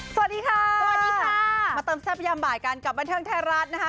สวัสดีค่ะสวัสดีค่ะมาเติมแซ่บยามบ่ายกันกับบันเทิงไทยรัฐนะคะ